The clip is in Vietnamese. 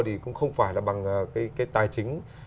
thì cũng không phải là bằng cái tài chính